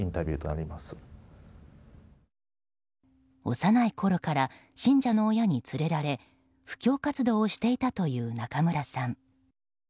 幼いころから信者の親に連れられて布教活動をしていたという中村さん。